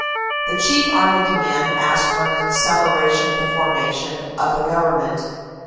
The Chief Army Command asked for an acceleration of the formation of the Government.